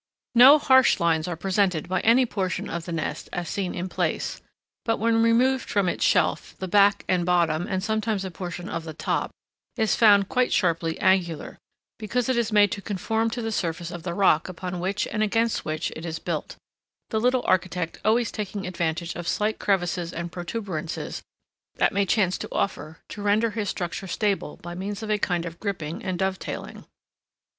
No harsh lines are presented by any portion of the nest as seen in place, but when removed from its shelf, the back and bottom, and sometimes a portion of the top, is found quite sharply angular, because it is made to conform to the surface of the rock upon which and against which it is built, the little architect always taking advantage of slight crevices and protuberances that may chance to offer, to render his structure stable by means of a kind of gripping and dovetailing.